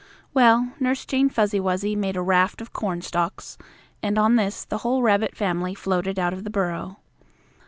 Well, Nurse Jane Fuzzy Wuzzy made a raft of cornstalks, and on this the whole rabbit family floated out of the burrow.